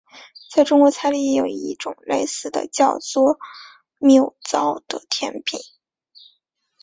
在中国菜里也有一种类似的叫做醪糟的甜品。